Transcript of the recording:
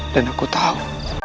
dan aku tau